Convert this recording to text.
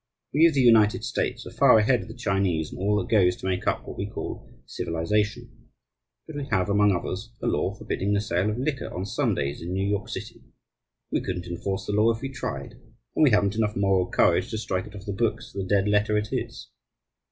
We of the United States are far ahead of the Chinese in all that goes to make up what we call civilization. But we have, among others, a law forbidding the sale of liquor on Sundays in New York City. We couldn't enforce the law if we tried; and we haven't enough moral courage to strike it off the books for the dead letter it is.